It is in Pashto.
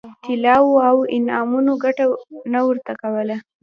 طلاوو او انعامونو ګټه نه ورته کوله.